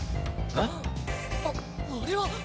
あっあれは！